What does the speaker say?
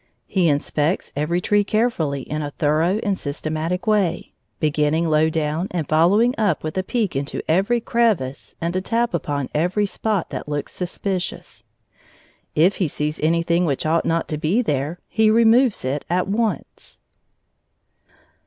He inspects every tree carefully in a thorough and systematic way, beginning low down and following up with a peek into every crevice and a tap upon every spot that looks suspicious. If he sees anything which ought not to be there, he removes it at once.